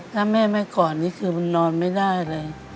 ถ้าแม่ไม่กอดนี่คือมันนอนไม่ได้เลย